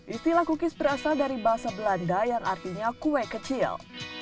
istilah cookis berasal dari bahasa belanda yang artinya kue kecil